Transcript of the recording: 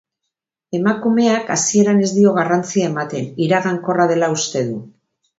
Emakumeak hasieran ez dio garrantzia ematen, iragankorra dela uste du.